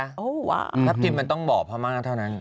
อยู่กับทัพทิมมันต้องบ่อพ้อมากเท่านั้น